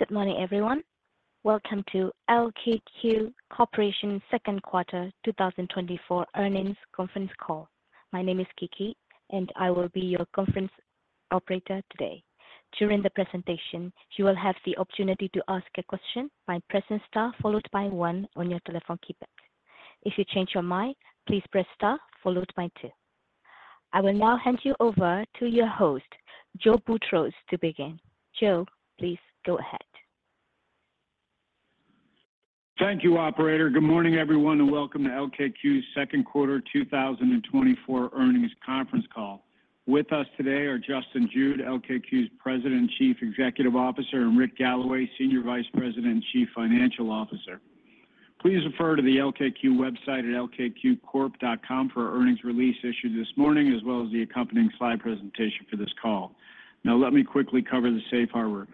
Good morning, everyone. Welcome to LKQ Corporation's second quarter 2024 earnings conference call. My name is Kiki, and I will be your conference operator today. During the presentation, you will have the opportunity to ask a question by pressing star followed by one on your telephone keypad. If you change your mind, please press star followed by two. I will now hand you over to your host, Joe Boutros, to begin. Joe, please go ahead. Thank you, Operator. Good morning, everyone, and welcome to LKQ's second quarter 2024 earnings conference call. With us today are Justin Jude, LKQ's President and Chief Executive Officer, and Rick Galloway, Senior Vice President and Chief Financial Officer. Please refer to the LKQ website at LKQCorp.com for earnings release issued this morning, as well as the accompanying slide presentation for this call. Now, let me quickly cover the safe harbor.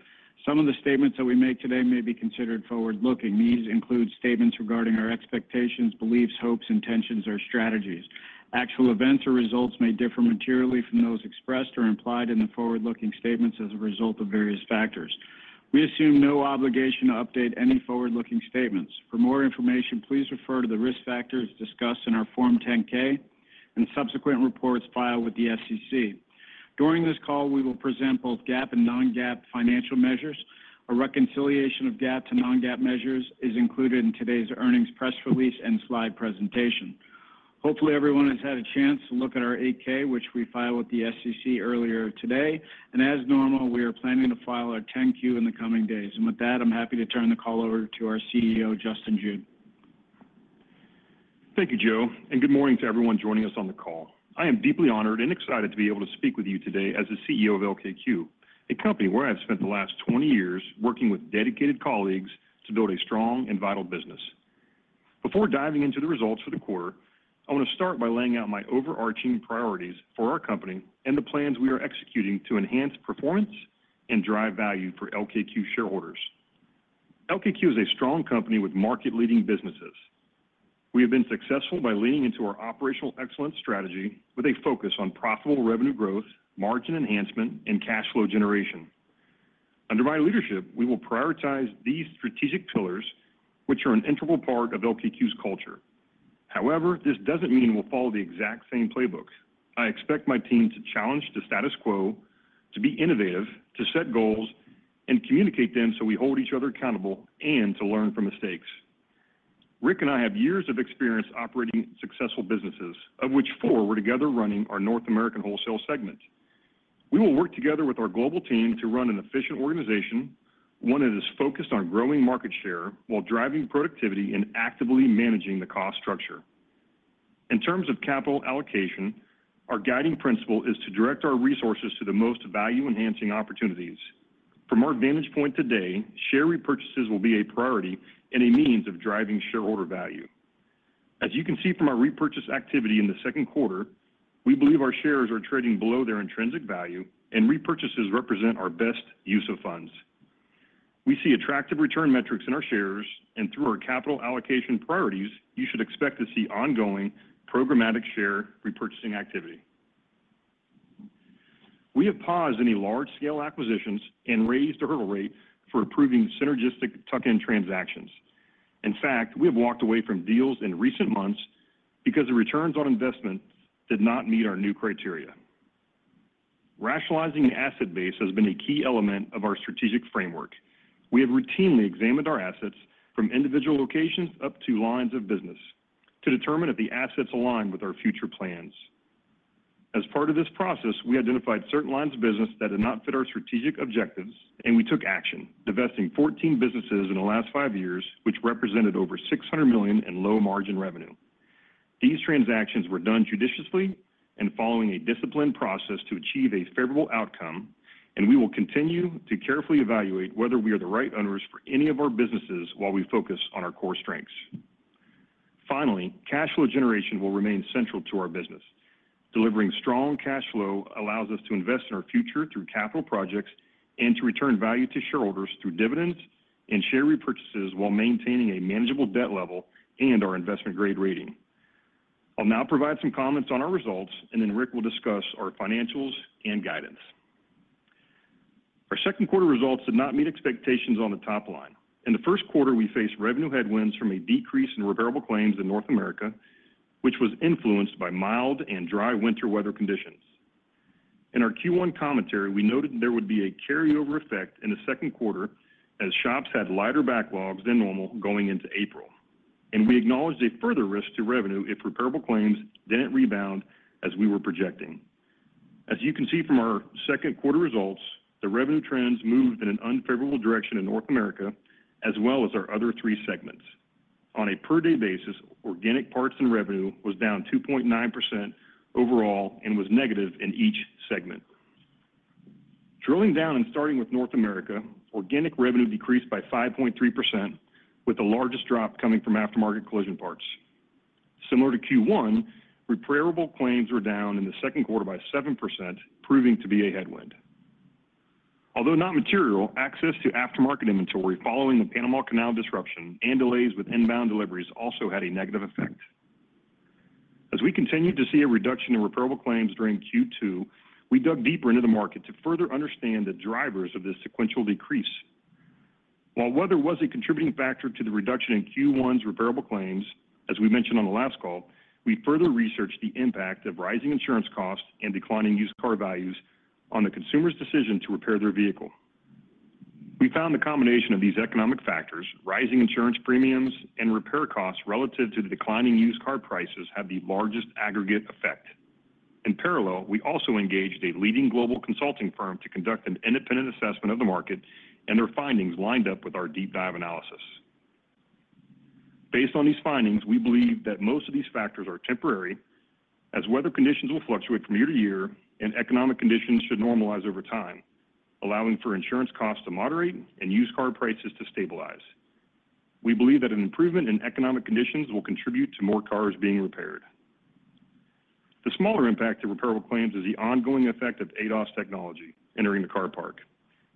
Some of the statements that we make today may be considered forward-looking. These include statements regarding our expectations, beliefs, hopes, intentions, or strategies. Actual events or results may differ materially from those expressed or implied in the forward-looking statements as a result of various factors. We assume no obligation to update any forward-looking statements. For more information, please refer to the risk factors discussed in our Form 10-K and subsequent reports filed with the SEC. During this call, we will present both GAAP and non-GAAP financial measures. A reconciliation of GAAP to non-GAAP measures is included in today's earnings press release and slide presentation. Hopefully, everyone has had a chance to look at our 8-K, which we filed with the SEC earlier today. As normal, we are planning to file our 10-Q in the coming days. With that, I'm happy to turn the call over to our CEO, Justin Jude. Thank you, Joe. Good morning to everyone joining us on the call. I am deeply honored and excited to be able to speak with you today as the CEO of LKQ, a company where I have spent the last 20 years working with dedicated colleagues to build a strong and vital business. Before diving into the results for the quarter, I want to start by laying out my overarching priorities for our company and the plans we are executing to enhance performance and drive value for LKQ shareholders. LKQ is a strong company with market-leading businesses. We have been successful by leaning into our operational excellence strategy with a focus on profitable revenue growth, margin enhancement, and cash flow generation. Under my leadership, we will prioritize these strategic pillars, which are an integral part of LKQ's culture. However, this doesn't mean we'll follow the exact same playbook. I expect my team to challenge the status quo, to be innovative, to set goals, and communicate them so we hold each other accountable and to learn from mistakes. Rick and I have years of experience operating successful businesses, of which four we're together running our North American wholesale segment. We will work together with our global team to run an efficient organization, one that is focused on growing market share while driving productivity and actively managing the cost structure. In terms of capital allocation, our guiding principle is to direct our resources to the most value-enhancing opportunities. From our vantage point today, share repurchases will be a priority and a means of driving shareholder value. As you can see from our repurchase activity in the second quarter, we believe our shares are trading below their intrinsic value, and repurchases represent our best use of funds. We see attractive return metrics in our shares, and through our capital allocation priorities, you should expect to see ongoing programmatic share repurchasing activity. We have paused any large-scale acquisitions and raised the hurdle rate for approving synergistic tuck-in transactions. In fact, we have walked away from deals in recent months because the returns on investment did not meet our new criteria. Rationalizing an asset base has been a key element of our strategic framework. We have routinely examined our assets from individual locations up to lines of business to determine if the assets align with our future plans. As part of this process, we identified certain lines of business that did not fit our strategic objectives, and we took action, divesting 14 businesses in the last five years, which represented over $600 million in low-margin revenue. These transactions were done judiciously and following a disciplined process to achieve a favorable outcome, and we will continue to carefully evaluate whether we are the right owners for any of our businesses while we focus on our core strengths. Finally, cash flow generation will remain central to our business. Delivering strong cash flow allows us to invest in our future through capital projects and to return value to shareholders through dividends and share repurchases while maintaining a manageable debt level and our investment-grade rating. I'll now provide some comments on our results, and then Rick will discuss our financials and guidance. Our second quarter results did not meet expectations on the top line. In the first quarter, we faced revenue headwinds from a decrease in repairable claims in North America, which was influenced by mild and dry winter weather conditions. In our Q1 commentary, we noted there would be a carryover effect in the second quarter as shops had lighter backlogs than normal going into April. We acknowledged a further risk to revenue if repairable claims didn't rebound as we were projecting. As you can see from our second quarter results, the revenue trends moved in an unfavorable direction in North America, as well as our other three segments. On a per-day basis, organic parts and revenue was down 2.9% overall and was negative in each segment. Drilling down and starting with North America, organic revenue decreased by 5.3%, with the largest drop coming from aftermarket collision parts. Similar to Q1, repairable claims were down in the second quarter by 7%, proving to be a headwind. Although not material, access to aftermarket inventory following the Panama Canal disruption and delays with inbound deliveries also had a negative effect. As we continued to see a reduction in repairable claims during Q2, we dug deeper into the market to further understand the drivers of this sequential decrease. While weather was a contributing factor to the reduction in Q1's repairable claims, as we mentioned on the last call, we further researched the impact of rising insurance costs and declining used car values on the consumer's decision to repair their vehicle. We found the combination of these economic factors, rising insurance premiums, and repair costs relative to the declining used car prices had the largest aggregate effect. In parallel, we also engaged a leading global consulting firm to conduct an independent assessment of the market, and their findings lined up with our deep-dive analysis. Based on these findings, we believe that most of these factors are temporary, as weather conditions will fluctuate from year to year, and economic conditions should normalize over time, allowing for insurance costs to moderate and used car prices to stabilize. We believe that an improvement in economic conditions will contribute to more cars being repaired. The smaller impact of repairable claims is the ongoing effect of ADAS technology entering the car park,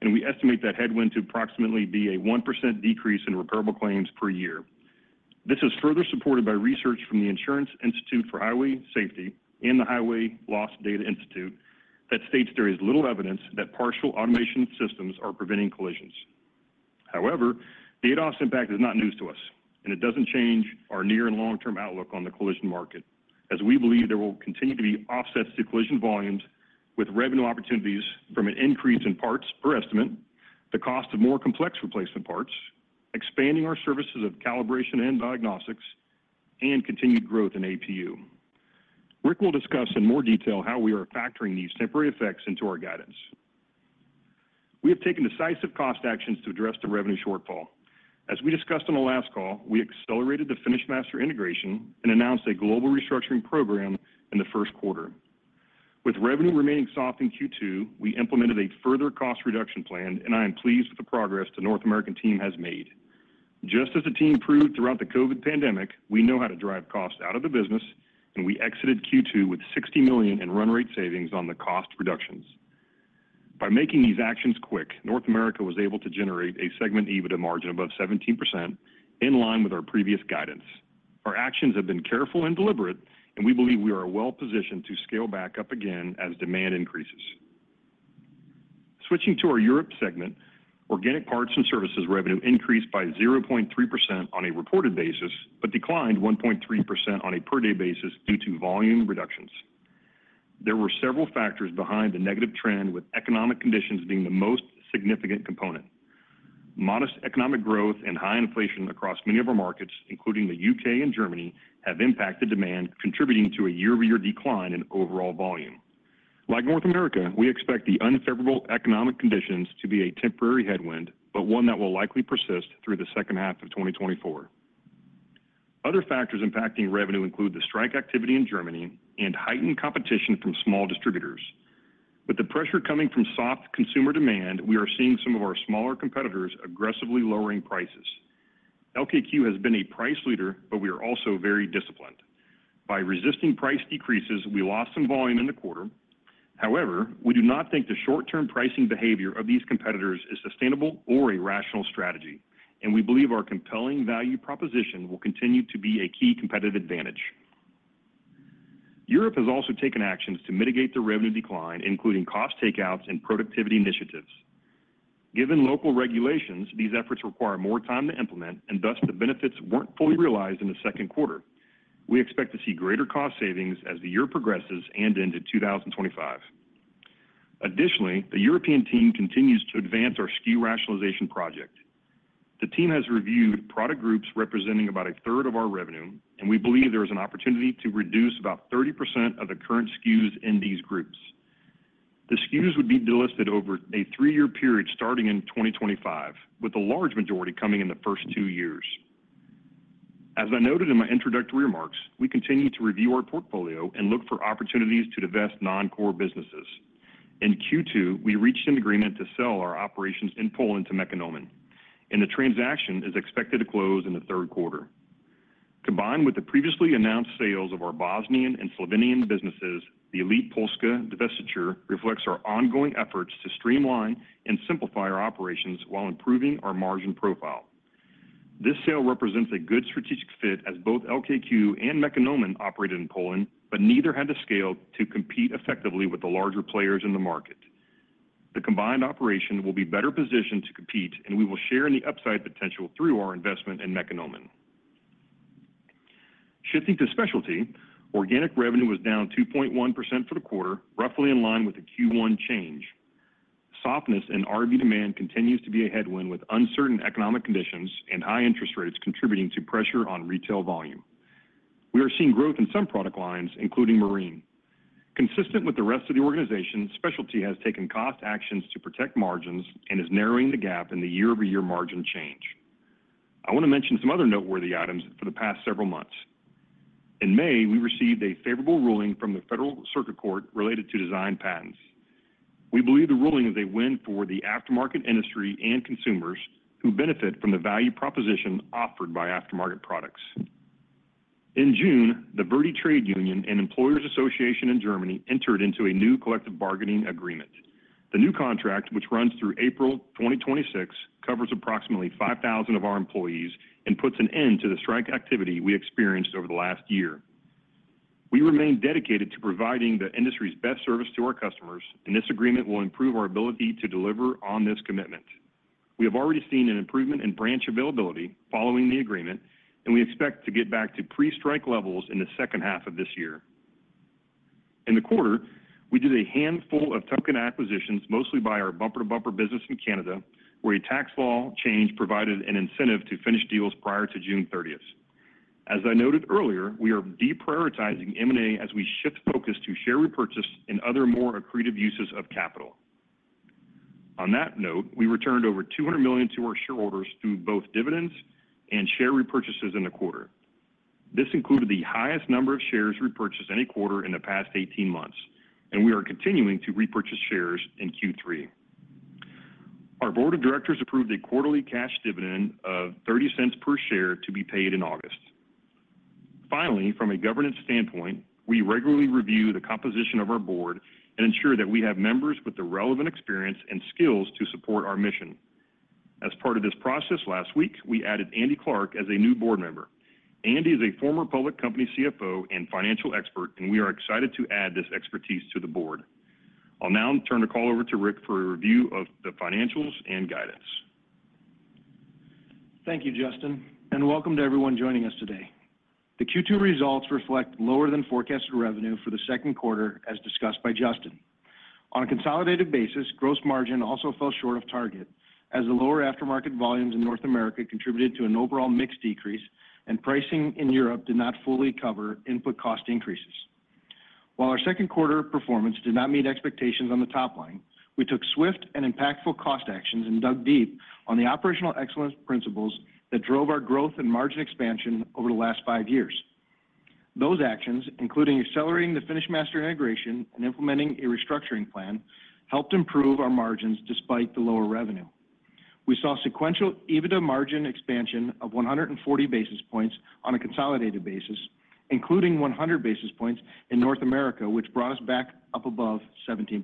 and we estimate that headwind to approximately be a 1% decrease in repairable claims per year. This is further supported by research from the Insurance Institute for Highway Safety and the Highway Loss Data Institute that states there is little evidence that partial automation systems are preventing collisions. However, the ADAS impact is not news to us, and it doesn't change our near and long-term outlook on the collision market, as we believe there will continue to be offsets to collision volumes with revenue opportunities from an increase in parts per estimate, the cost of more complex replacement parts, expanding our services of calibration and diagnostics, and continued growth in APU. Rick will discuss in more detail how we are factoring these temporary effects into our guidance. We have taken decisive cost actions to address the revenue shortfall. As we discussed on the last call, we accelerated the FinishMaster integration and announced a global restructuring program in the first quarter. With revenue remaining soft in Q2, we implemented a further cost reduction plan, and I am pleased with the progress the North American team has made. Just as the team proved throughout the COVID pandemic, we know how to drive costs out of the business, and we exited Q2 with $60 million in run rate savings on the cost reductions. By making these actions quick, North America was able to generate a segment EBITDA margin above 17% in line with our previous guidance. Our actions have been careful and deliberate, and we believe we are well-positioned to scale back up again as demand increases. Switching to our Europe segment, organic parts and services revenue increased by 0.3% on a reported basis but declined 1.3% on a per-day basis due to volume reductions. There were several factors behind the negative trend, with economic conditions being the most significant component. Modest economic growth and high inflation across many of our markets, including the U.K. and Germany, have impacted demand, contributing to a year-over-year decline in overall volume. Like North America, we expect the unfavorable economic conditions to be a temporary headwind, but one that will likely persist through the second half of 2024. Other factors impacting revenue include the strike activity in Germany and heightened competition from small distributors. With the pressure coming from soft consumer demand, we are seeing some of our smaller competitors aggressively lowering prices. LKQ has been a price leader, but we are also very disciplined. By resisting price decreases, we lost some volume in the quarter. However, we do not think the short-term pricing behavior of these competitors is sustainable or a rational strategy, and we believe our compelling value proposition will continue to be a key competitive advantage. Europe has also taken actions to mitigate the revenue decline, including cost takeouts and productivity initiatives. Given local regulations, these efforts require more time to implement, and thus the benefits weren't fully realized in the second quarter. We expect to see greater cost savings as the year progresses and into 2025. Additionally, the European team continues to advance our SKU rationalization project. The team has reviewed product groups representing about a third of our revenue, and we believe there is an opportunity to reduce about 30% of the current SKUs in these groups. The SKUs would be delisted over a three-year period starting in 2025, with the large majority coming in the first two years. As I noted in my introductory remarks, we continue to review our portfolio and look for opportunities to divest non-core businesses. In Q2, we reached an agreement to sell our operations in Poland to Mekonomen, and the transaction is expected to close in the third quarter. Combined with the previously announced sales of our Bosnian and Slovenian businesses, the Elit Polska divestiture reflects our ongoing efforts to streamline and simplify our operations while improving our margin profile. This sale represents a good strategic fit as both LKQ and Mekonomen operated in Poland, but neither had the scale to compete effectively with the larger players in the market. The combined operation will be better positioned to compete, and we will share in the upside potential through our investment in Mekonomen. Shifting to specialty, organic revenue was down 2.1% for the quarter, roughly in line with the Q1 change. Softness in RV demand continues to be a headwind with uncertain economic conditions and high interest rates contributing to pressure on retail volume. We are seeing growth in some product lines, including marine. Consistent with the rest of the organization, specialty has taken cost actions to protect margins and is narrowing the gap in the year-over-year margin change. I want to mention some other noteworthy items for the past several months. In May, we received a favorable ruling from the Federal Circuit Court related to design patents. We believe the ruling is a win for the aftermarket industry and consumers who benefit from the value proposition offered by aftermarket products. In June, the Verdi Trade Union and Employers Association in Germany entered into a new collective bargaining agreement. The new contract, which runs through April 2026, covers approximately 5,000 of our employees and puts an end to the strike activity we experienced over the last year. We remain dedicated to providing the industry's best service to our customers, and this agreement will improve our ability to deliver on this commitment. We have already seen an improvement in branch availability following the agreement, and we expect to get back to pre-strike levels in the second half of this year. In the quarter, we did a handful of tuck-in acquisitions, mostly by our Bumper to Bumper business in Canada, where a tax law change provided an incentive to finish deals prior to June 30th. As I noted earlier, we are deprioritizing M&A as we shift focus to share repurchase and other more accretive uses of capital. On that note, we returned over $200 million to our shareholders through both dividends and share repurchases in the quarter. This included the highest number of shares repurchased any quarter in the past 18 months, and we are continuing to repurchase shares in Q3. Our Board of Directors approved a quarterly cash dividend of $0.30 per share to be paid in August. Finally, from a governance standpoint, we regularly review the composition of our board and ensure that we have members with the relevant experience and skills to support our mission. As part of this process, last week, we added Andrew Clarke as a new board member. Andrew Clarke is a former public company CFO and financial expert, and we are excited to add this expertise to the board. I'll now turn the call over to Rick for a review of the financials and guidance. Thank you, Justin, and welcome to everyone joining us today. The Q2 results reflect lower than forecast revenue for the second quarter, as discussed by Justin. On a consolidated basis, gross margin also fell short of target, as the lower aftermarket volumes in North America contributed to an overall mixed decrease, and pricing in Europe did not fully cover input cost increases. While our second quarter performance did not meet expectations on the top line, we took swift and impactful cost actions and dug deep on the operational excellence principles that drove our growth and margin expansion over the last five years. Those actions, including accelerating the FinishMaster integration and implementing a restructuring plan, helped improve our margins despite the lower revenue. We saw sequential EBITDA margin expansion of 140 basis points on a consolidated basis, including 100 basis points in North America, which brought us back up above 17%.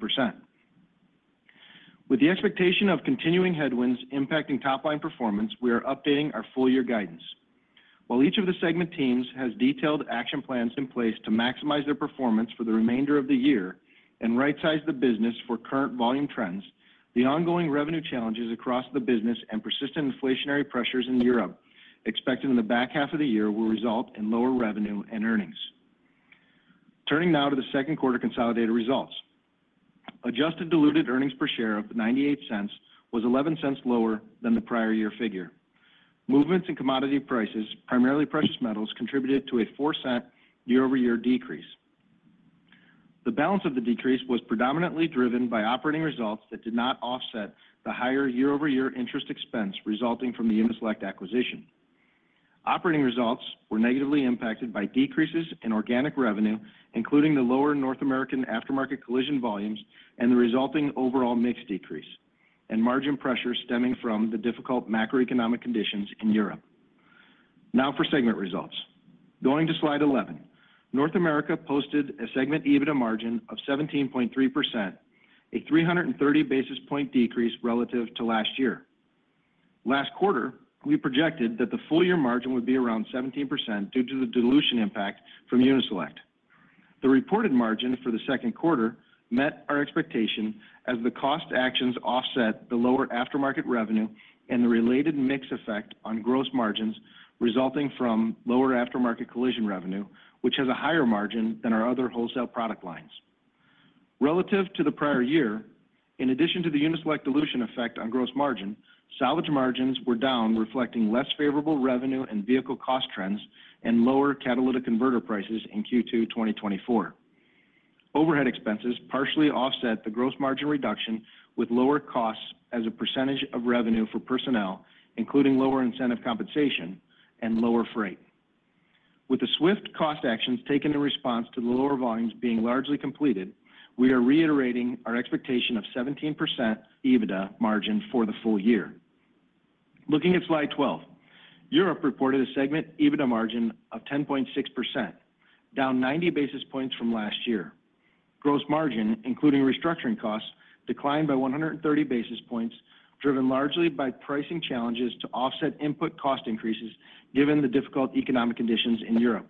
With the expectation of continuing headwinds impacting top-line performance, we are updating our full-year guidance. While each of the segment teams has detailed action plans in place to maximize their performance for the remainder of the year and right-size the business for current volume trends, the ongoing revenue challenges across the business and persistent inflationary pressures in Europe expected in the back half of the year will result in lower revenue and earnings. Turning now to the second quarter consolidated results, adjusted diluted earnings per share of $0.98 was $0.11 lower than the prior year figure. Movements in commodity prices, primarily precious metals, contributed to a $0.04 year-over-year decrease. The balance of the decrease was predominantly driven by operating results that did not offset the higher year-over-year interest expense resulting from the Uni-Select acquisition. Operating results were negatively impacted by decreases in organic revenue, including the lower North American aftermarket collision volumes and the resulting overall mix decrease, and margin pressure stemming from the difficult macroeconomic conditions in Europe. Now for segment results. Going to slide 11, North America posted a segment EBITDA margin of 17.3%, a 330 basis points decrease relative to last year. Last quarter, we projected that the full-year margin would be around 17% due to the dilution impact from Uni-Select. The reported margin for the second quarter met our expectation as the cost actions offset the lower aftermarket revenue and the related mix effect on gross margins resulting from lower aftermarket collision revenue, which has a higher margin than our other wholesale product lines. Relative to the prior year, in addition to the Uni-Select dilution effect on gross margin, salvage margins were down, reflecting less favorable revenue and vehicle cost trends and lower catalytic converter prices in Q2 2024. Overhead expenses partially offset the gross margin reduction with lower costs as a percentage of revenue for personnel, including lower incentive compensation and lower freight. With the swift cost actions taken in response to the lower volumes being largely completed, we are reiterating our expectation of 17% EBITDA margin for the full year. Looking at Slide 12, Europe reported a segment EBITDA margin of 10.6%, down 90 basis points from last year. Gross margin, including restructuring costs, declined by 130 basis points, driven largely by pricing challenges to offset input cost increases given the difficult economic conditions in Europe.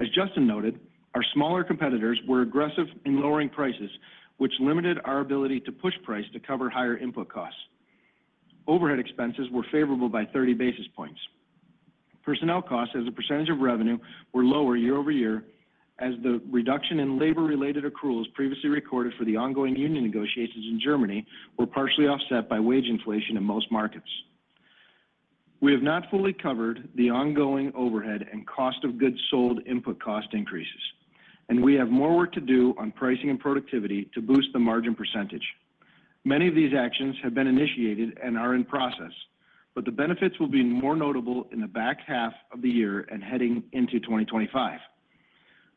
As Justin noted, our smaller competitors were aggressive in lowering prices, which limited our ability to push price to cover higher input costs. Overhead expenses were favorable by 30 basis points. Personnel costs as a percentage of revenue were lower year-over-year as the reduction in labor-related accruals previously recorded for the ongoing union negotiations in Germany were partially offset by wage inflation in most markets. We have not fully covered the ongoing overhead and cost of goods sold input cost increases, and we have more work to do on pricing and productivity to boost the margin percentage. Many of these actions have been initiated and are in process, but the benefits will be more notable in the back half of the year and heading into 2025.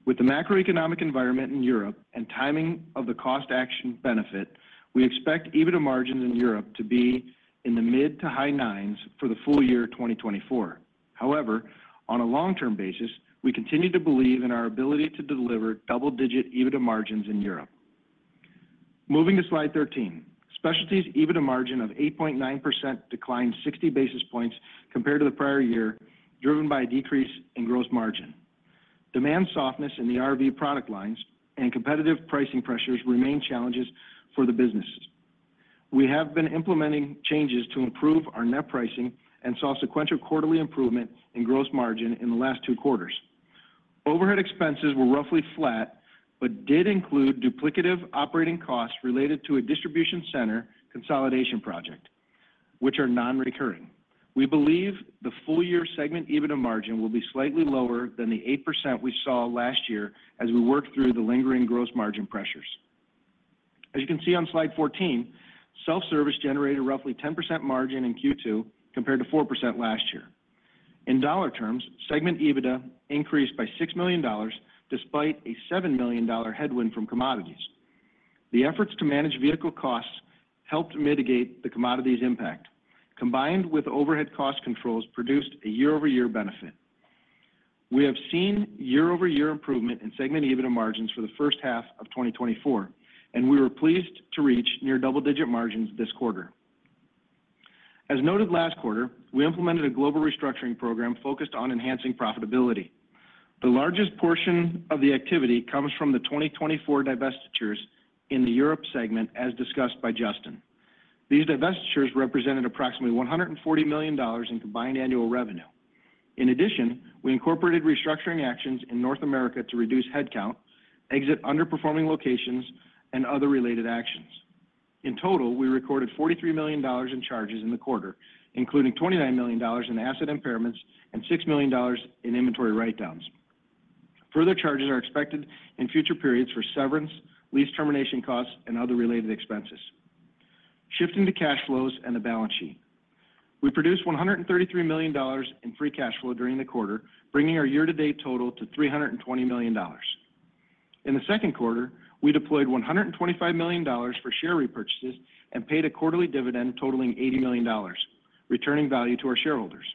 With the macroeconomic environment in Europe and timing of the cost action benefit, we expect EBITDA margins in Europe to be in the mid to high nines for the full year 2024. However, on a long-term basis, we continue to believe in our ability to deliver double-digit EBITDA margins in Europe. Moving to slide 13, Specialty's EBITDA margin of 8.9% declined 60 basis points compared to the prior year, driven by a decrease in gross margin. Demand softness in the RV product lines and competitive pricing pressures remain challenges for the businesses. We have been implementing changes to improve our net pricing and saw sequential quarterly improvement in gross margin in the last two quarters. Overhead expenses were roughly flat but did include duplicative operating costs related to a distribution center consolidation project, which are non-recurring. We believe the full-year segment EBITDA margin will be slightly lower than the 8% we saw last year as we worked through the lingering gross margin pressures. As you can see on slide 14, self-service generated roughly 10% margin in Q2 compared to 4% last year. In dollar terms, segment EBITDA increased by $6 million despite a $7 million headwind from commodities. The efforts to manage vehicle costs helped mitigate the commodities impact. Combined with overhead cost controls, produced a year-over-year benefit. We have seen year-over-year improvement in segment EBITDA margins for the first half of 2024, and we were pleased to reach near double-digit margins this quarter. As noted last quarter, we implemented a global restructuring program focused on enhancing profitability. The largest portion of the activity comes from the 2024 divestitures in the Europe segment, as discussed by Justin. These divestitures represented approximately $140 million in combined annual revenue. In addition, we incorporated restructuring actions in North America to reduce headcount, exit underperforming locations, and other related actions. In total, we recorded $43 million in charges in the quarter, including $29 million in asset impairments and $6 million in inventory write-downs. Further charges are expected in future periods for severance, lease termination costs, and other related expenses. Shifting to cash flows and the balance sheet, we produced $133 million in free cash flow during the quarter, bringing our year-to-date total to $320 million. In the second quarter, we deployed $125 million for share repurchases and paid a quarterly dividend totaling $80 million, returning value to our shareholders.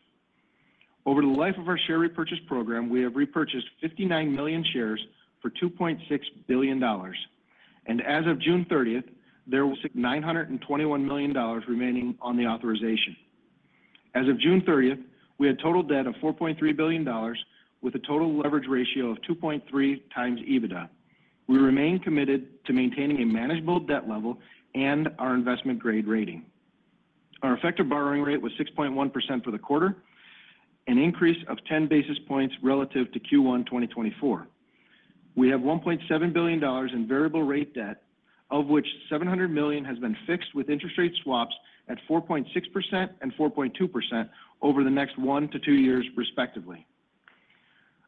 Over the life of our share repurchase program, we have repurchased 59 million shares for $2.6 billion, and as of June 30th, there was $921 million remaining on the authorization. As of June 30th, we had total debt of $4.3 billion, with a total leverage ratio of 2.3x EBITDA. We remain committed to maintaining a manageable debt level and our investment-grade rating. Our effective borrowing rate was 6.1% for the quarter, an increase of 10 basis points relative to Q1 2024. We have $1.7 billion in variable-rate debt, of which $700 million has been fixed with interest rate swaps at 4.6% and 4.2% over the next one to two years, respectively.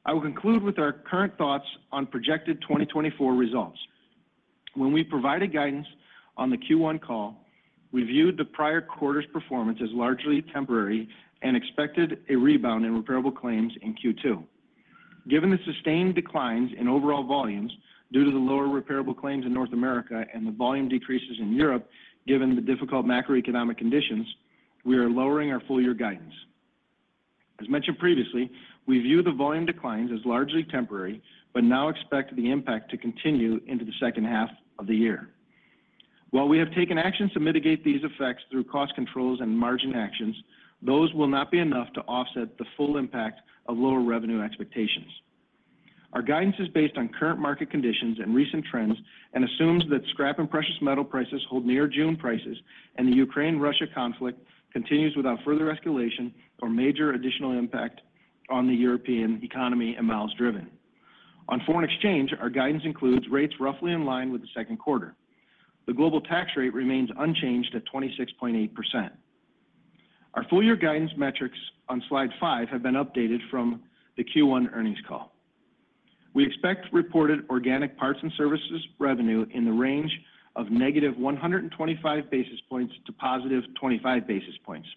I will conclude with our current thoughts on projected 2024 results. When we provided guidance on the Q1 call, we viewed the prior quarter's performance as largely temporary and expected a rebound in repairable claims in Q2. Given the sustained declines in overall volumes due to the lower repairable claims in North America and the volume decreases in Europe, given the difficult macroeconomic conditions, we are lowering our full-year guidance. As mentioned previously, we view the volume declines as largely temporary, but now expect the impact to continue into the second half of the year. While we have taken actions to mitigate these effects through cost controls and margin actions, those will not be enough to offset the full impact of lower revenue expectations. Our guidance is based on current market conditions and recent trends and assumes that scrap and precious metal prices hold near June prices and the Ukraine-Russia conflict continues without further escalation or major additional impact on the European economy and miles driven. On foreign exchange, our guidance includes rates roughly in line with the second quarter. The global tax rate remains unchanged at 26.8%. Our full-year guidance metrics on slide 5 have been updated from the Q1 earnings call. We expect reported organic parts and services revenue in the range of negative 125 basis points to positive 25 basis points.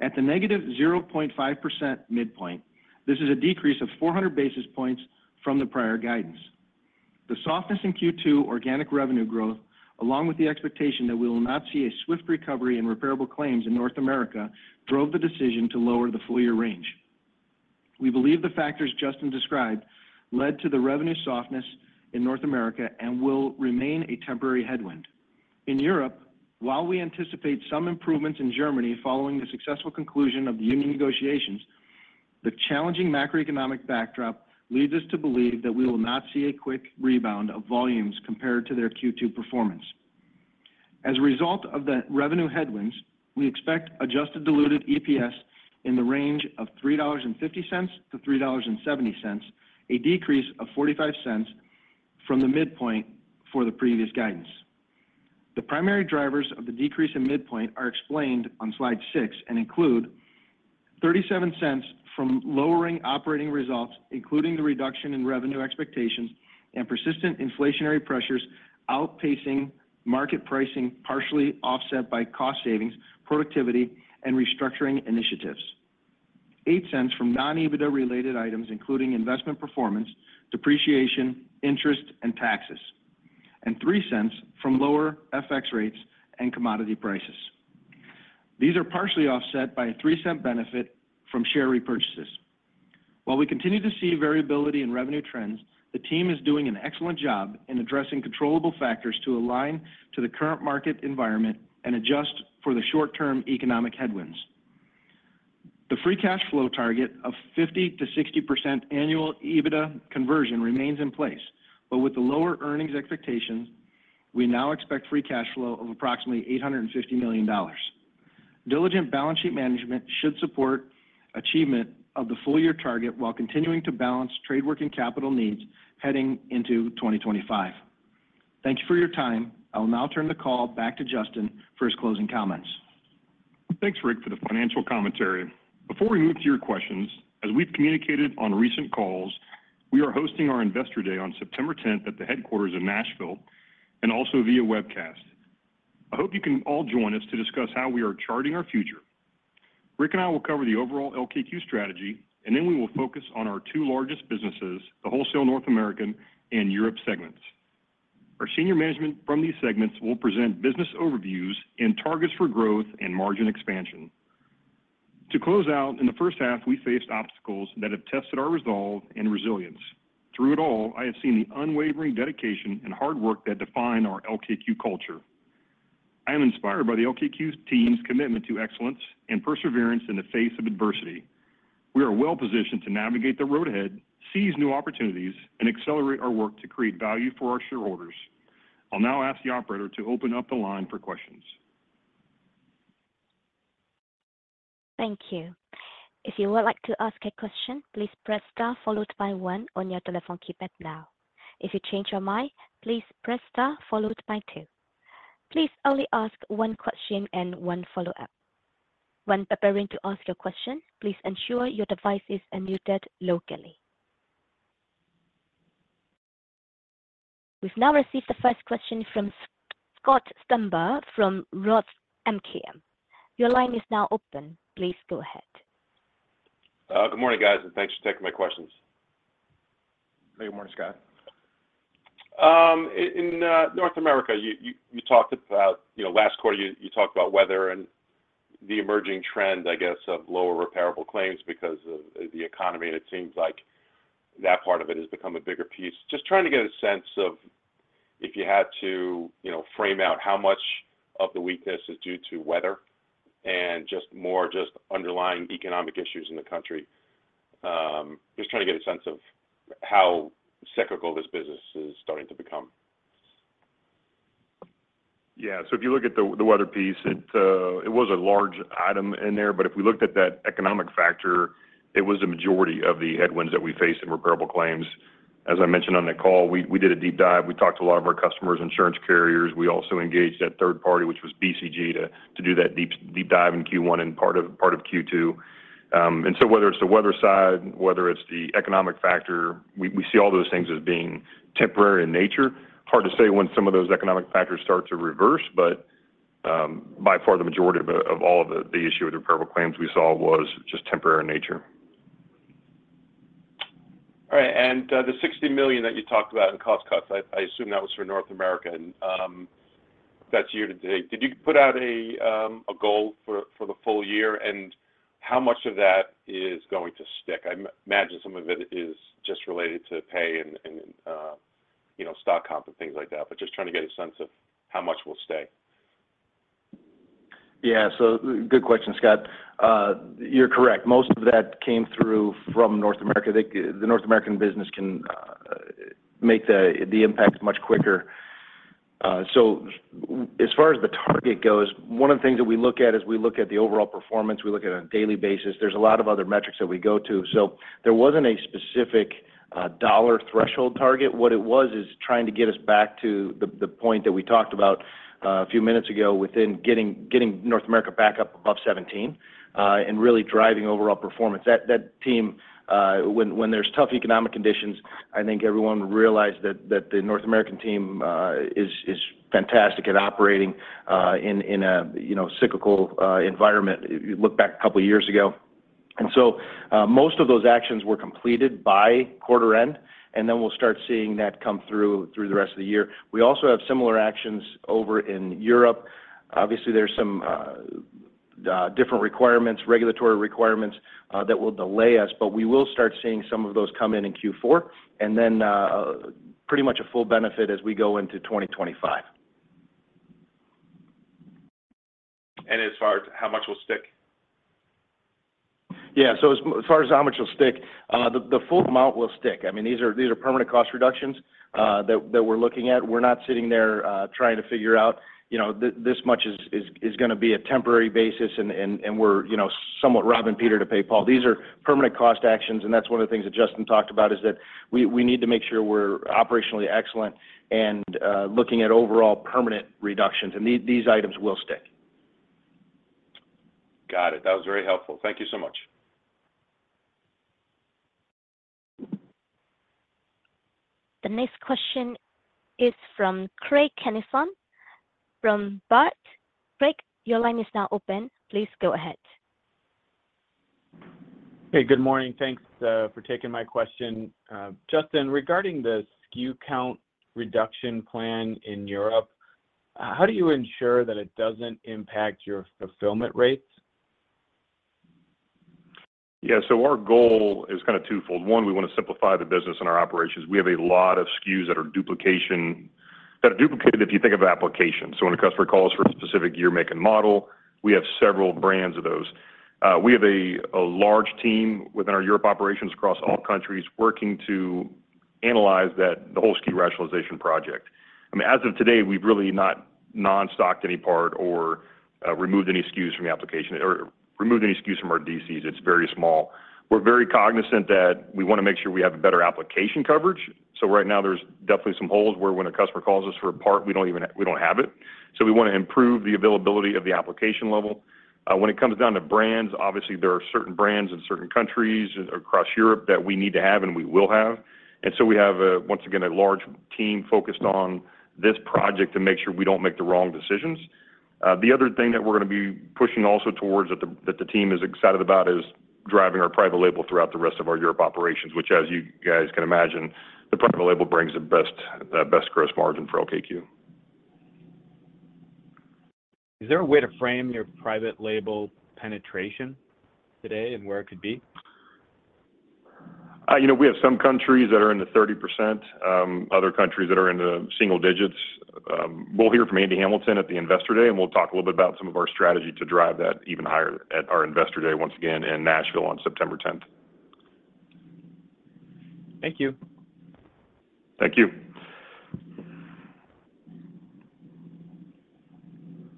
At the negative 0.5% midpoint, this is a decrease of 400 basis points from the prior guidance. The softness in Q2 organic revenue growth, along with the expectation that we will not see a swift recovery in repairable claims in North America, drove the decision to lower the full-year range. We believe the factors Justin described led to the revenue softness in North America and will remain a temporary headwind. In Europe, while we anticipate some improvements in Germany following the successful conclusion of the union negotiations, the challenging macroeconomic backdrop leads us to believe that we will not see a quick rebound of volumes compared to their Q2 performance. As a result of the revenue headwinds, we expect adjusted diluted EPS in the range of $3.50-$3.70, a decrease of $0.45 from the midpoint for the previous guidance. The primary drivers of the decrease in midpoint are explained on slide 6 and include $0.37 from lowering operating results, including the reduction in revenue expectations and persistent inflationary pressures outpacing market pricing partially offset by cost savings, productivity, and restructuring initiatives. $0.08 from non-EBITDA-related items, including investment performance, depreciation, interest, and taxes, and $0.03 from lower FX rates and commodity prices. These are partially offset by a $0.03 benefit from share repurchases. While we continue to see variability in revenue trends, the team is doing an excellent job in addressing controllable factors to align to the current market environment and adjust for the short-term economic headwinds. The free cash flow target of 50%-60% annual EBITDA conversion remains in place, but with the lower earnings expectations, we now expect free cash flow of approximately $850 million. Diligent balance sheet management should support achievement of the full-year target while continuing to balance trade work and capital needs heading into 2025. Thank you for your time. I will now turn the call back to Justin for his closing comments. Thanks, Rick, for the financial commentary. Before we move to your questions, as we've communicated on recent calls, we are hosting our Investor Day on September 10th at the headquarters in Nashville and also via webcast. I hope you can all join us to discuss how we are charting our future. Rick and I will cover the overall LKQ strategy, and then we will focus on our two largest businesses, the wholesale North American and Europe segments. Our senior management from these segments will present business overviews and targets for growth and margin expansion. To close out, in the first half, we faced obstacles that have tested our resolve and resilience. Through it all, I have seen the unwavering dedication and hard work that define our LKQ culture. I am inspired by the LKQ team's commitment to excellence and perseverance in the face of adversity. We are well-positioned to navigate the road ahead, seize new opportunities, and accelerate our work to create value for our shareholders. I'll now ask the operator to open up the line for questions. Thank you. If you would like to ask a question, please press star followed by one on your telephone keypad now. If you change your mind, please press star followed by two. Please only ask one question and one follow-up. When preparing to ask your question, please ensure your device is unmuted locally. We've now received the first question from Scott Stember from Roth MKM. Your line is now open. Please go ahead. Good morning, guys, and thanks for taking my questions. Hey, good morning, Scott. In North America, you talked about last quarter, you talked about weather and the emerging trend, I guess, of lower repairable claims because of the economy. And it seems like that part of it has become a bigger piece. Just trying to get a sense of if you had to frame out how much of the weakness is due to weather and just more just underlying economic issues in the country. Just trying to get a sense of how cyclical this business is starting to become. Yeah, so if you look at the weather piece, it was a large item in there, but if we looked at that economic factor, it was the majority of the headwinds that we face in repairable claims. As I mentioned on the call, we did a deep dive. We talked to a lot of our customers, insurance carriers. We also engaged that third party, which was BCG, to do that deep dive in Q1 and part of Q2. And so whether it's the weather side, whether it's the economic factor, we see all those things as being temporary in nature. Hard to say when some of those economic factors start to reverse, but by far the majority of all of the issue with repairable claims we saw was just temporary in nature. All right. And the $60 million that you talked about in cost cuts, I assume that was for North America. That's year to date. Did you put out a goal for the full year? And how much of that is going to stick? I imagine some of it is just related to pay and stock comp and things like that, but just trying to get a sense of how much will stay. Yeah, so good question, Scott. You're correct. Most of that came through from North America. The North American business can make the impact much quicker. So as far as the target goes, one of the things that we look at is we look at the overall performance. We look at it on a daily basis. There's a lot of other metrics that we go to. So there wasn't a specific dollar threshold target. What it was is trying to get us back to the point that we talked about a few minutes ago within getting North America back up above 17 and really driving overall performance. That team, when there's tough economic conditions, I think everyone realized that the North American team is fantastic at operating in a cyclical environment. You look back a couple of years ago. And so most of those actions were completed by quarter end, and then we'll start seeing that come through the rest of the year. We also have similar actions over in Europe. Obviously, there's some different requirements, regulatory requirements that will delay us, but we will start seeing some of those come in in Q4 and then pretty much a full benefit as we go into 2025. And as far as how much will stick? Yeah, so as far as how much will stick, the full amount will stick. I mean, these are permanent cost reductions that we're looking at. We're not sitting there trying to figure out this much is going to be a temporary basis, and we're somewhat robbing Peter to pay Paul. These are permanent cost actions, and that's one of the things that Justin talked about is that we need to make sure we're operationally excellent and looking at overall permanent reductions, and these items will stick. Got it. That was very helpful. Thank you so much. The next question is from Craig Kennison from Baird. Craig, your line is now open. Please go ahead. Hey, good morning. Thanks for taking my question. Justin, regarding the SKU count reduction plan in Europe, how do you ensure that it doesn't impact your fulfillment rates? Yeah, so our goal is kind of twofold. One, we want to simplify the business and our operations. We have a lot of SKUs that are duplicated if you think of applications. So when a customer calls for a specific year, make, and model, we have several brands of those. We have a large team within our Europe operations across all countries working to analyze the whole SKU rationalization project. I mean, as of today, we've really not non-stocked any part or removed any SKUs from the application or removed any SKUs from our DCs. It's very small. We're very cognizant that we want to make sure we have better application coverage. So right now, there's definitely some holes where when a customer calls us for a part, we don't have it. So we want to improve the availability of the application level. When it comes down to brands, obviously, there are certain brands in certain countries across Europe that we need to have and we will have. And so we have, once again, a large team focused on this project to make sure we don't make the wrong decisions. The other thing that we're going to be pushing also towards that the team is excited about is driving our private label throughout the rest of our Europe operations, which, as you guys can imagine, the private label brings the best gross margin for LKQ. Is there a way to frame your private label penetration today and where it could be? We have some countries that are in the 30%, other countries that are in the single digits. We'll hear from Andy Hamilton at the Investor Day, and we'll talk a little bit about some of our strategy to drive that even higher at our Investor Day once again in Nashville on September 10th. Thank you. Thank you.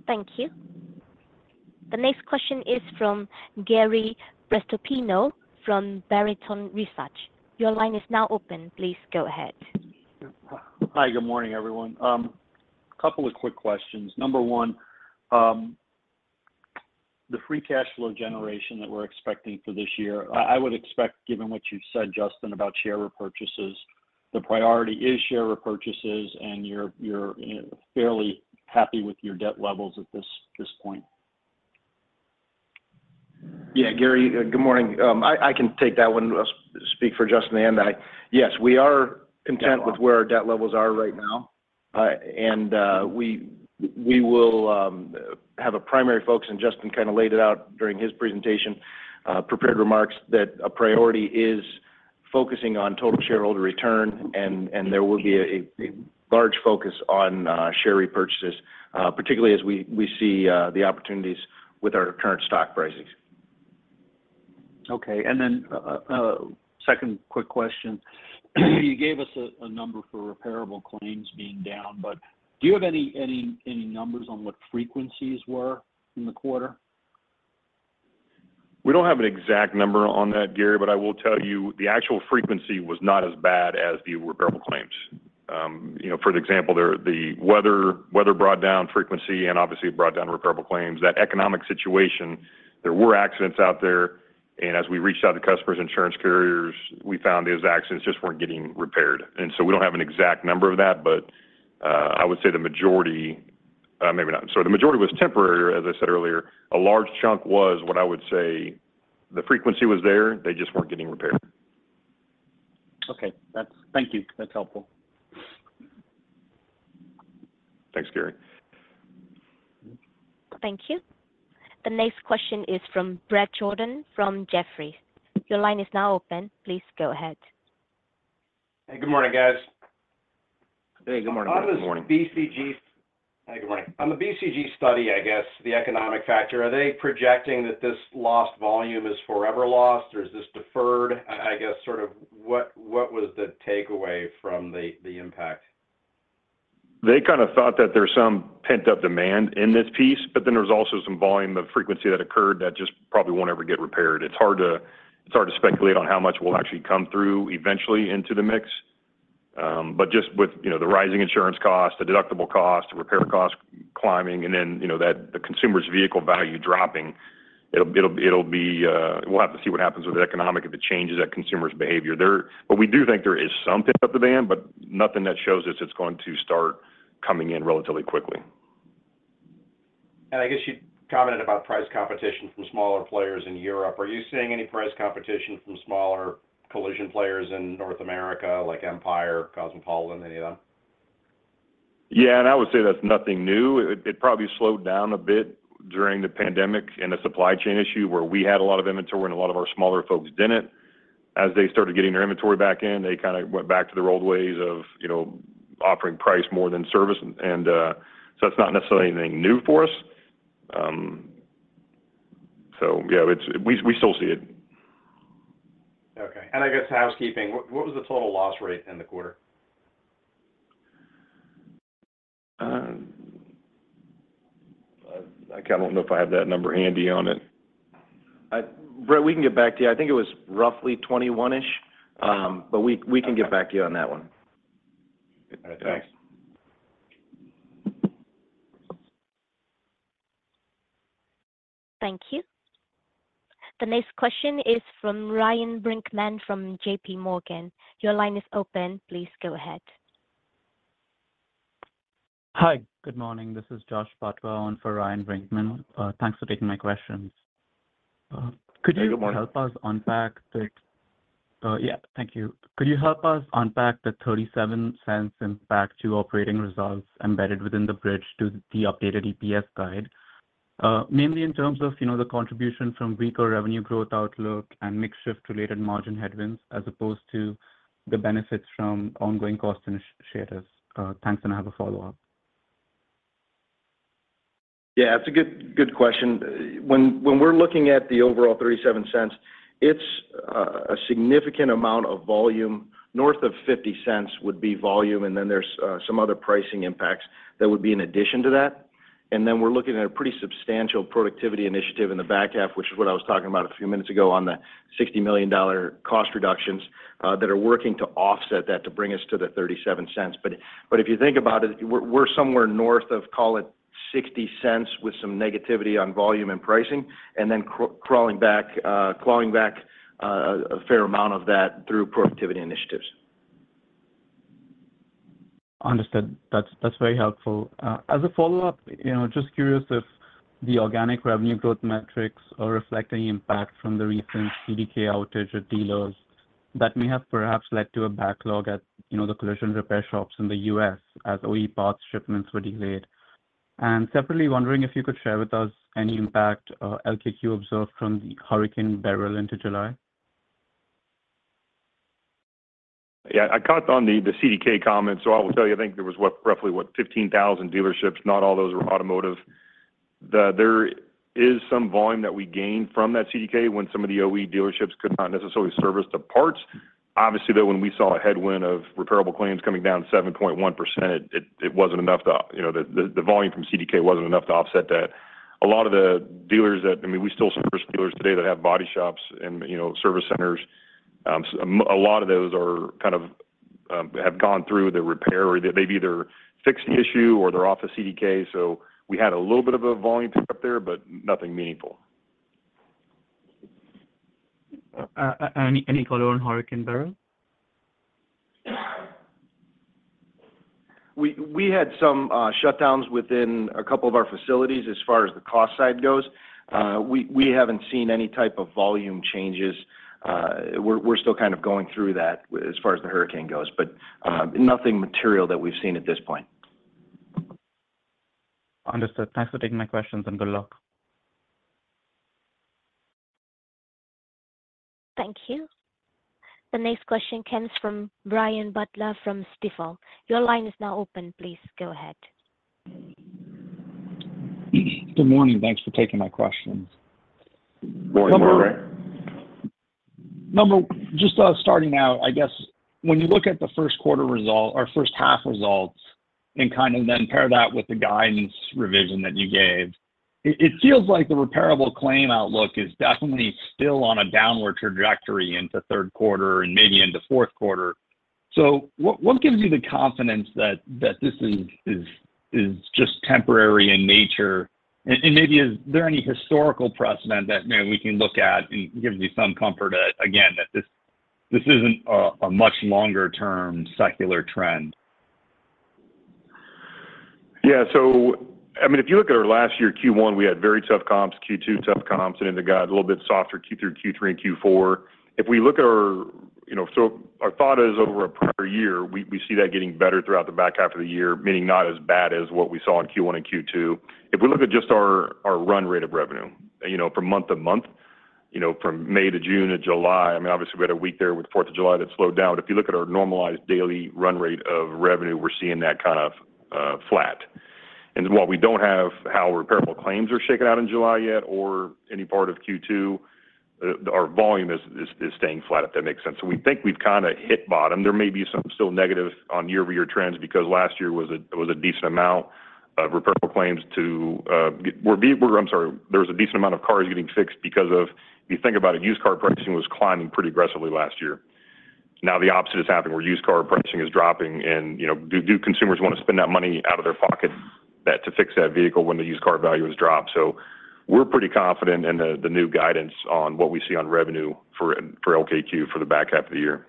Thank you. The next question is from Gary Prestopino from Barrington Research. Your line is now open. Please go ahead. Hi, good morning, everyone. A couple of quick questions. Number one, the free cash flow generation that we're expecting for this year, I would expect, given what you've said, Justin, about share repurchases, the priority is share repurchases, and you're fairly happy with your debt levels at this point. Yeah, Gary, good morning. I can take that one and speak for Justin and Andy. Yes, we are content with where our debt levels are right now, and we will have a primary focus, and Justin kind of laid it out during his presentation, prepared remarks that a priority is focusing on total shareholder return, and there will be a large focus on share repurchases, particularly as we see the opportunities with our current stock prices. Okay. And then second quick question, you gave us a number for repairable claims being down, but do you have any numbers on what frequencies were in the quarter? We don't have an exact number on that, Gary, but I will tell you the actual frequency was not as bad as the repairable claims. For example, the weather brought down frequency and obviously brought down repairable claims. That economic situation, there were accidents out there, and as we reached out to customers, insurance carriers, we found those accidents just weren't getting repaired. And so we don't have an exact number of that, but I would say the majority, maybe not, sorry, the majority was temporary, as I said earlier. A large chunk was what I would say the frequency was there. They just weren't getting repaired. Okay. Thank you. That's helpful. Thanks, Gary. Thank you. The next question is from Bret Jordan from Jefferies. Your line is now open. Please go ahead. Hey, good morning, guys. Hey, good morning. On the BCG. Hey, good morning. On the BCG study, I guess, the economic factor. Are they projecting that this lost volume is forever lost, or is this deferred? I guess sort of what was the takeaway from the impact? They kind of thought that there's some pent-up demand in this piece, but then there's also some volume of frequency that occurred that just probably won't ever get repaired. It's hard to speculate on how much will actually come through eventually into the mix. But just with the rising insurance costs, the deductible cost, the repair costs climbing, and then the consumer's vehicle value dropping, it'll be, we'll have to see what happens with the economy if it changes that consumer's behavior. But we do think there is some pent-up demand, but nothing that shows us it's going to start coming in relatively quickly. And I guess you commented about price competition from smaller players in Europe. Are you seeing any price competition from smaller collision players in North America like Empire, Cosmopolitan? Any of them? Yeah, and I would say that's nothing new. It probably slowed down a bit during the pandemic and the supply chain issue where we had a lot of inventory and a lot of our smaller folks didn't. As they started getting their inventory back in, they kind of went back to their old ways of offering price more than service. And so that's not necessarily anything new for us. So yeah, we still see it. Okay. And I guess housekeeping, what was the total loss rate in the quarter? I don't know if I have that number handy on it. We can get back to you. I think it was roughly 21%-ish, but we can get back to you on that one. Thanks. Thank you. The next question is from Ryan Brinkman from J.P. Morgan. Your line is open. Please go ahead. Hi, good morning. This is Jash Patwa on for Ryan Brinkman. Thanks for taking my questions. Could you help us unpack the $0.37 impact to operating results embedded within the bridge to the updated EPS guide, mainly in terms of the contribution from weaker revenue growth outlook and mixed shift-related margin headwinds as opposed to the benefits from ongoing cost initiators? Thanks, and I have a follow-up. Yeah, that's a good question. When we're looking at the overall $0.37, it's a significant amount of volume. North of $0.50 would be volume, and then there's some other pricing impacts that would be in addition to that. And then we're looking at a pretty substantial productivity initiative in the back half, which is what I was talking about a few minutes ago on the $60 million cost reductions that are working to offset that to bring us to the $0.37. But if you think about it, we're somewhere north of, call it, $0.60 with some negativity on volume and pricing, and then clawing back a fair amount of that through productivity initiatives. Understood. That's very helpful. As a follow-up, just curious if the organic revenue growth metrics are reflecting impact from the recent CDK outage at dealers that may have perhaps led to a backlog at the collision repair shops in the U.S. as OE parts shipments were delayed. And separately, wondering if you could share with us any impact LKQ observed from the Hurricane Beryl into July. Yeah, I caught on the CDK comment, so I will tell you, I think there was roughly what, 15,000 dealerships. Not all those were automotive. There is some volume that we gained from that CDK when some of the OE dealerships could not necessarily service the parts. Obviously, though, when we saw a headwind of repairable claims coming down 7.1%, it wasn't enough. The volume from CDK wasn't enough to offset that. A lot of the dealers that I mean, we still service dealers today that have body shops and service centers. A lot of those kind of have gone through the repair. They've either fixed the issue or they're off of CDK. So we had a little bit of a volume pickup there, but nothing meaningful. Any color on Hurricane Beryl? We had some shutdowns within a couple of our facilities as far as the cost side goes. We haven't seen any type of volume changes. We're still kind of going through that as far as the hurricane goes, but nothing material that we've seen at this point. Understood. Thanks for taking my questions and good luck. Thank you. The next question comes from Brian Butler from Stifel. Your line is now open. Please go ahead. Good morning. Thanks for taking my questions. Morning, everyone. Just starting out, I guess, when you look at the first quarter results or first half results and kind of then pair that with the guidance revision that you gave, it feels like the repairable claim outlook is definitely still on a downward trajectory into third quarter and maybe into fourth quarter. So what gives you the confidence that this is just temporary in nature? And maybe is there any historical precedent that we can look at and give you some comfort again that this isn't a much longer-term secular trend? Yeah. So I mean, if you look at our last year, Q1, we had very tough comps, Q2 tough comps, and then we got a little bit softer Q3 and Q4. If we look at our totals over a prior year, we see that getting better throughout the back half of the year, meaning not as bad as what we saw in Q1 and Q2. If we look at just our run rate of revenue from month to month, from May to June to July, I mean, obviously, we had a week there with 4th of July that slowed down. But if you look at our normalized daily run rate of revenue, we're seeing that kind of flat. And while we don't have how repairable claims are shaken out in July yet or any part of Q2, our volume is staying flat, if that makes sense. So we think we've kind of hit bottom. There may be some still negative on year-to-year trends because last year was a decent amount of repairable claims to. I'm sorry, there was a decent amount of cars getting fixed because of if you think about it, used car pricing was climbing pretty aggressively last year. Now the opposite is happening where used car pricing is dropping, and do consumers want to spend that money out of their pocket to fix that vehicle when the used car value has dropped? So we're pretty confident in the new guidance on what we see on revenue for LKQ for the back half of the year.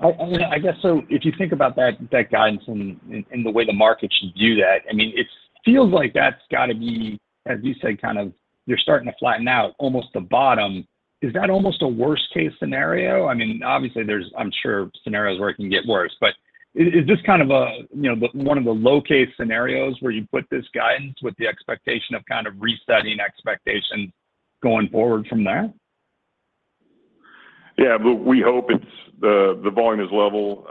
I guess so if you think about that guidance and the way the market should view that, I mean, it feels like that's got to be, as you said, kind of you're starting to flatten out almost the bottom. Is that almost a worst-case scenario? I mean, obviously, there's, I'm sure, scenarios where it can get worse, but is this kind of one of the low-case scenarios where you put this guidance with the expectation of kind of resetting expectations going forward from there? Yeah, but we hope the volume is level.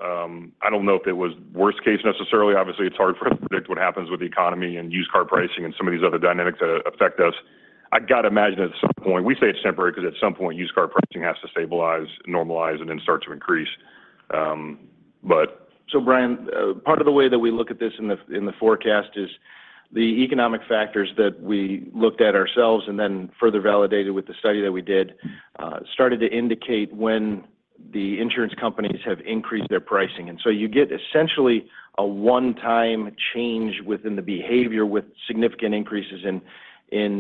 I don't know if it was worst-case necessarily. Obviously, it's hard for us to predict what happens with the economy and used car pricing and some of these other dynamics that affect us. I got to imagine at some point we say it's temporary because at some point, used car pricing has to stabilize, normalize, and then start to increase. But. So, Brian, part of the way that we look at this in the forecast is the economic factors that we looked at ourselves and then further validated with the study that we did, started to indicate when the insurance companies have increased their pricing. And so you get essentially a one-time change within the behavior with significant increases in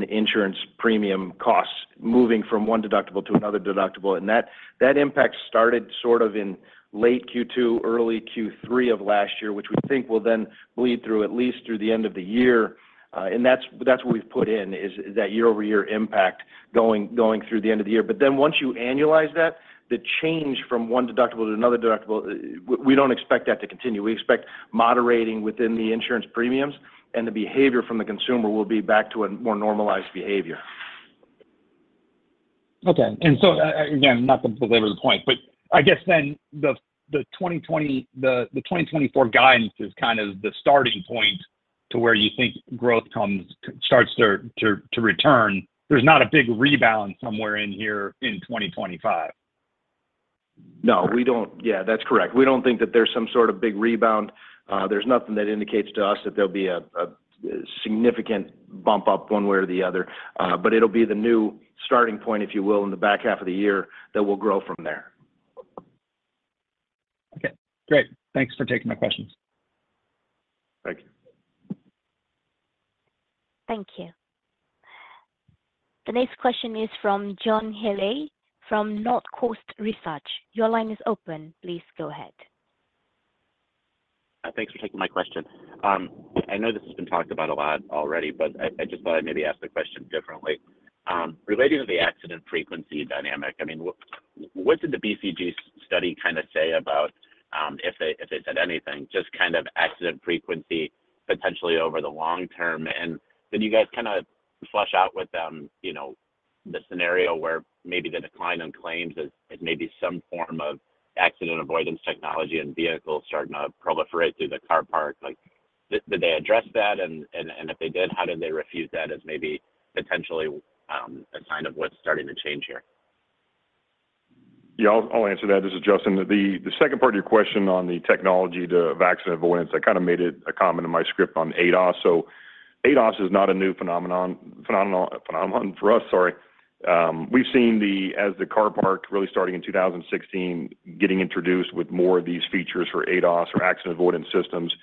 insurance premium costs moving from one deductible to another deductible. And that impact started sort of in late Q2, early Q3 of last year, which we think will then bleed through at least through the end of the year. And that's what we've put in is that year-over-year impact going through the end of the year. But then once you annualize that, the change from one deductible to another deductible, we don't expect that to continue. We expect moderating within the insurance premiums, and the behavior from the consumer will be back to a more normalized behavior. Okay. And so again, not to belabor the point, but I guess then the 2024 guidance is kind of the starting point to where you think growth starts to return. There's not a big rebound somewhere in here in 2025. No, we don't. Yeah, that's correct. We don't think that there's some sort of big rebound. There's nothing that indicates to us that there'll be a significant bump up one way or the other, but it'll be the new starting point, if you will, in the back half of the year that will grow from there. Okay. Great. Thanks for taking my questions. Thank you. Thank you. The next question is from John Healy from North Coast Research. Your line is open. Please go ahead. Thanks for taking my question. I know this has been talked about a lot already, but I just thought I'd maybe ask the question differently. Related to the accident frequency dynamic, I mean, what did the BCG study kind of say about if they said anything, just kind of accident frequency potentially over the long term? And did you guys kind of flesh out with them the scenario where maybe the decline in claims is maybe some form of accident avoidance technology and vehicles starting to proliferate through the car park? Did they address that? And if they did, how did they refute that as maybe potentially a sign of what's starting to change here? Yeah, I'll answer that. This is Justin. The second part of your question on the technology to accident avoidance, I kind of made it a comment in my script on ADOS. So ADOS is not a new phenomenon for us, sorry. We've seen, as the car park really starting in 2016, getting introduced with more of these features for ADOS or accident avoidance systems,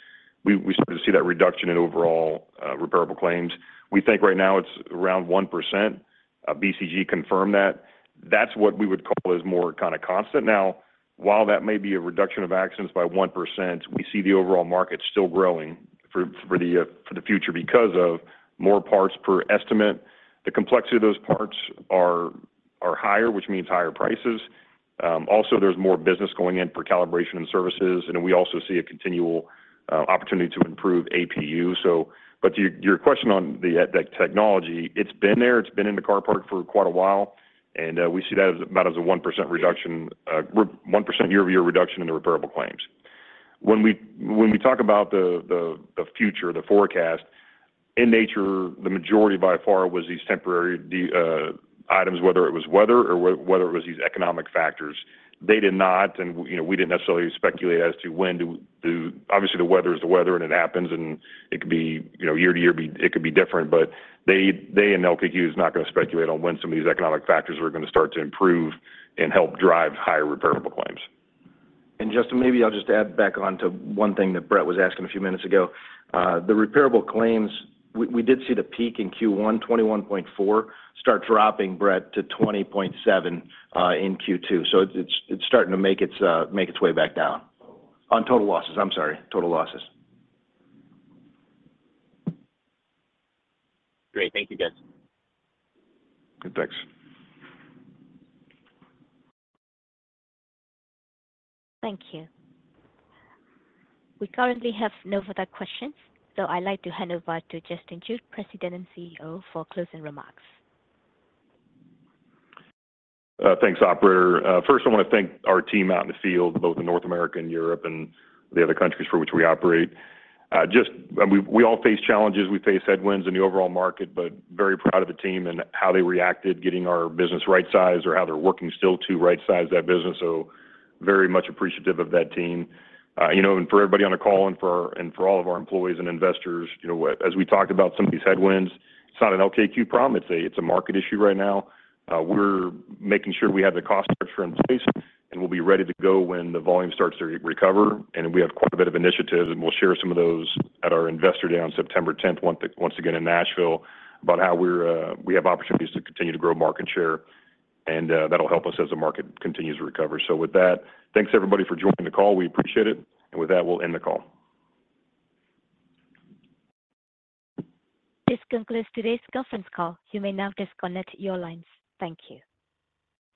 we started to see that reduction in overall repairable claims. We think right now it's around 1%. BCG confirmed that. That's what we would call is more kind of constant. Now, while that may be a reduction of accidents by 1%, we see the overall market still growing for the future because of more parts per estimate. The complexity of those parts are higher, which means higher prices. Also, there's more business going in for calibration and services, and we also see a continual opportunity to improve APU. But to your question on the technology, it's been there. It's been in the car park for quite a while, and we see that about as a 1% year-over-year reduction in the repairable claims. When we talk about the future, the forecast, in nature, the majority by far was these temporary items, whether it was weather or whether it was these economic factors. They did not, and we didn't necessarily speculate as to when do obviously, the weather is the weather, and it happens, and it could be year to year, it could be different. But they and LKQ is not going to speculate on when some of these economic factors are going to start to improve and help drive higher repairable claims. And Justin, maybe I'll just add back on to one thing that Bret was asking a few minutes ago. The repairable claims, we did see the peak in Q1, 21.4, start dropping, Bret, to 20.7 in Q2. So it's starting to make its way back down on total losses. I'm sorry, total losses. Great. Thank you, guys. Thanks. Thank you. We currently have no further questions, so I'd like to hand over to Justin Jude, President and CEO, for closing remarks. Thanks, operator. First, I want to thank our team out in the field, both in North America and Europe and the other countries for which we operate. We all face challenges. We face headwinds in the overall market, but very proud of the team and how they reacted getting our business right-sized or how they're working still to right-size that business. So very much appreciative of that team. And for everybody on the call and for all of our employees and investors, as we talked about some of these headwinds, it's not an LKQ problem. It's a market issue right now. We're making sure we have the cost structure in place, and we'll be ready to go when the volume starts to recover. We have quite a bit of initiatives, and we'll share some of those at our investor day on September 10th, once again in Nashville, about how we have opportunities to continue to grow market share, and that'll help us as the market continues to recover. With that, thanks everybody for joining the call. We appreciate it. With that, we'll end the call. This concludes today's conference call. You may now disconnect your lines. Thank you.